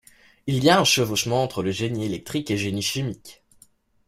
Il y a un chevauchement entre le génie électrique et génie chimique.